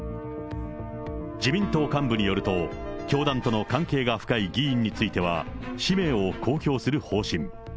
自民党幹部によると、教団との関係が深い議員については、氏名を公表する方針。